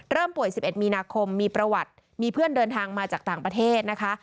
ป่วย๑๑มีนาคมมีประวัติมีเพื่อนเดินทางมาจากต่างประเทศนะคะ